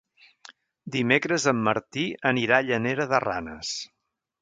Dimecres en Martí anirà a Llanera de Ranes.